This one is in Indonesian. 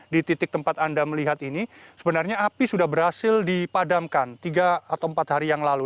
di depan ini sebenarnya api sudah berhasil dipadamkan tiga atau empat hari yang lalu